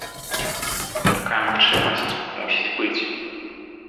А такая магчымасць мусіць быць.